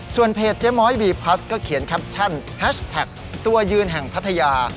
ส่วนเพจเจ๊ม้อยวีพลัสก็เขียนแคปชั่นแฮชแท็กตัวยืนแห่งพัทยา